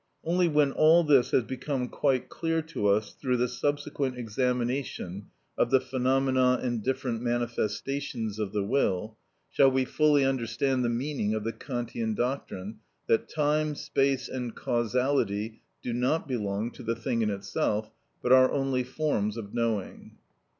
Only when all this has become quite clear to us through the subsequent examination of the phenomena and different manifestations of the will, shall we fully understand the meaning of the Kantian doctrine that time, space and causality do not belong to the thing in itself, but are only forms of knowing.